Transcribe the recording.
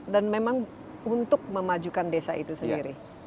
dan memang untuk memajukan desa itu sendiri